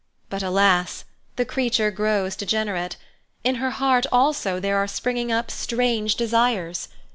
But alas! the creature grows degenerate. In her heart also there are springing up strange desires.